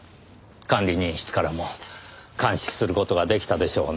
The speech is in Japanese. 管理人室からも監視する事が出来たでしょうねぇ。